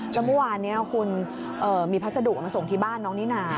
เมื่อวานนี้คุณมีพัสดุมาส่งที่บ้านน้องนิน่า